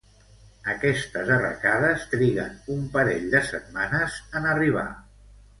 Aquestes arracades triguen un parell de setmanes en arribar.